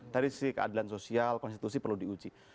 dari sisi keadilan sosial konstitusi perlu diuji